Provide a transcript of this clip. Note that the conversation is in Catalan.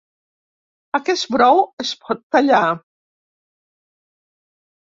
Aquest brou es pot tallar.